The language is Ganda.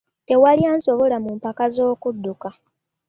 Tewali ansobola mu mpaka z'okuduka.